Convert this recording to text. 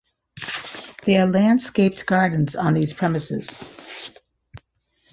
There are landscaped gardens on the premises.